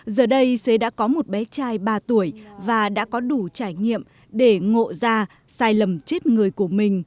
giờ đây xế đã có một bé trai ba tuổi và đã có đủ trải nghiệm để ngộ ra sai lầm chết người của mình